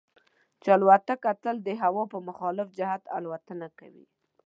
چې الوتکه تل د هوا په مخالف جهت الوتنه کوي.